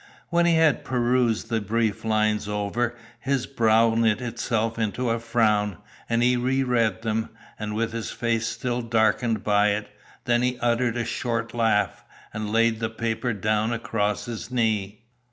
When he had perused the brief lines over, his brow knit itself into a frown, and he re read them, with his face still darkened by it. Then he uttered a short laugh, and laid the paper down across his knee.